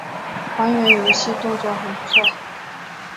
还原游戏动作很不错